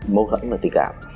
mâu thuẫn và tình cảm